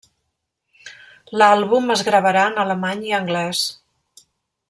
L'àlbum es gravarà en alemany i anglès.